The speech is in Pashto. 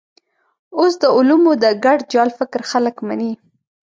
اوس د علومو د ګډ جال فکر خلک مني.